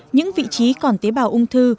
những vị trí còn tế bào ung thư